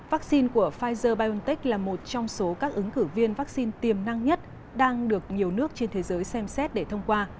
vaccine của pfizer biontech là một trong số các ứng cử viên vaccine tiềm năng nhất đang được nhiều nước trên thế giới xem xét để thông qua